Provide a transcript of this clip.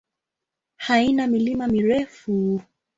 Haina milima mirefu.